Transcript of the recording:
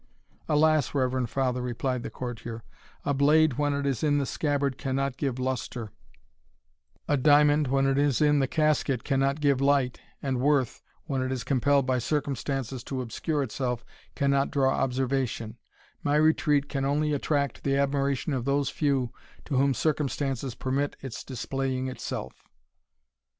"Alas, reverend father!" replied the courtier, "a blade when it is in the scabbard cannot give lustre, a diamond when it is in the casket cannot give light, and worth, when it is compelled by circumstances to obscure itself, cannot draw observation my retreat can only attract the admiration of those few to whom circumstances permit its displaying itself."